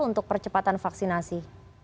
untuk percepatan vaksinasi